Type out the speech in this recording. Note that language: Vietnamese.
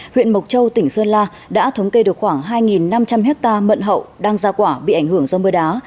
huyện mộc châu tỉnh sơn la đã thống kê được khoảng hai năm trăm linh hectare mận hậu đang ra quả bị ảnh hưởng do mưa đá